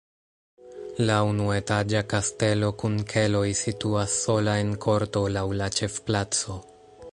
La unuetaĝa kastelo kun keloj situas sola en korto laŭ la ĉefplaco.